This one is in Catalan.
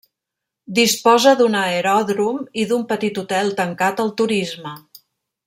Disposa d'un aeròdrom i d'un petit hotel tancat al turisme.